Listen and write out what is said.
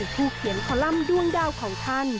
ผู้เขียนคอลัมป์ด้วงดาวของท่าน